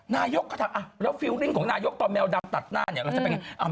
นึกว่าวิ่งเข้าสระแล้วหายเลย